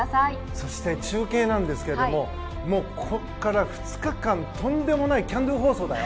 そして中継なんですがもう、ここから２日間とんでもないＣＡＮＤＯ放送だよ。